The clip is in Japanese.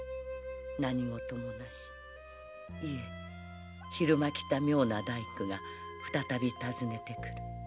何事もなしいえ昼間来た妙な大工が再び訪ねてくる。